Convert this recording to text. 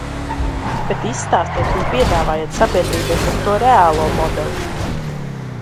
Bet izstāstiet un piedāvājiet sabiedrībai tad to reālo modeli!